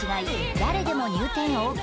誰でも入店ＯＫ